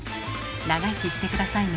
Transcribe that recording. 長生きして下さいね。